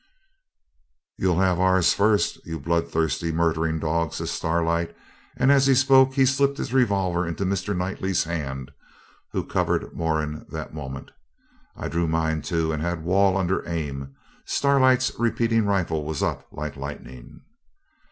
'You'll have ours first, you bloodthirsty, murdering dog,' says Starlight; and, as he spoke, he slipped his revolver into Mr. Knightley's hand, who covered Moran that moment. I drew mine, too, and had Wall under aim. Starlight's repeating rifle was up like lightning.